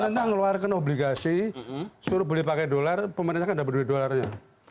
pemerintah ngeluarkan obligasi suruh beli pakai dolar pemerintah kan dapat duit dolarnya